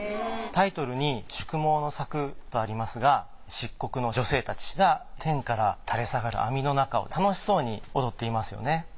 タイトルに『祝網の柵』とありますが漆黒の女性たちが天から垂れ下がる網の中を楽しそうに踊っていますよね。